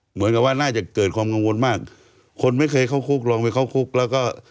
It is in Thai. เหมือนกับว่าน่าจะเกิดความกังวลมากคนไม่เคยเข้าคุกลองไปเข้าคุกแล้วก็